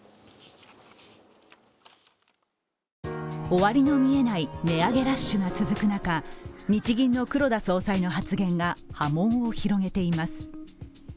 終わりの見えない値上げラッシュが続く中日銀の黒田総裁の発言が波紋を広げています。